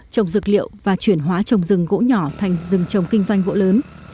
trồng dược liệu và chuyển hóa trồng rừng gỗ nhỏ thành rừng trồng kinh doanh gỗ lớn